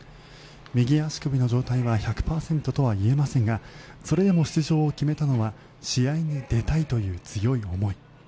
右足首の状態は１００％とは言えませんがそれでも出場を決めたのは試合に出たいという強い思い。